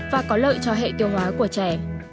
và có lợi cho hệ tiêu hóa của trẻ